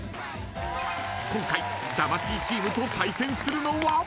［今回魂チームと対戦するのは］